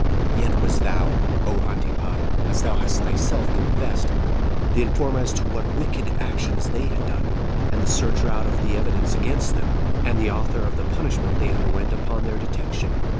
"Yet wast thou, O Antipater! [as thou hast thyself confessed,] the informer as to what wicked actions they had done, and the searcher out of the evidence against them, and the author of the punishment they underwent upon their detection.